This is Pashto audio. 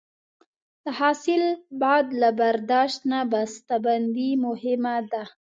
د حاصل بعد له برداشت نه بسته بندي مهمه ده.